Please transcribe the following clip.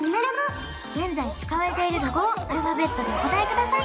現在使われているロゴをアルファベットでお答えください